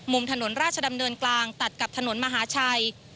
ถนนราชดำเนินกลางตัดกับถนนมหาชัย